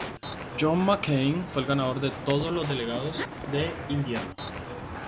John McCain fue el ganador de todos los delegados de Indiana.